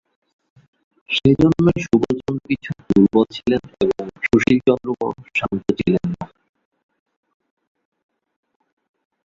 সেইজন্যই সুবলচন্দ্র কিছু দুর্বল ছিলেন এবং সুশীলচন্দ্র বড়ো শান্ত ছিলেন না।